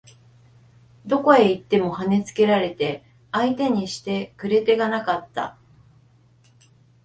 どこへ行っても跳ね付けられて相手にしてくれ手がなかった